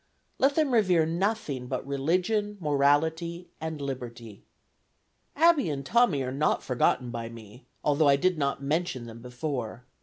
Let them revere nothing but religion, morality, and liberty. "Abby and Tommy are not forgotten by me, although I did not mention them before.